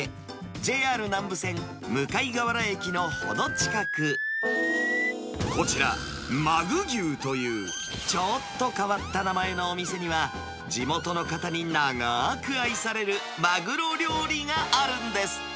ＪＲ南武線向河原駅の程近く、こちら、鮪牛という、ちょっと変わった名前のお店には、地元の方に長ーく愛されるマグロ料理があるんです。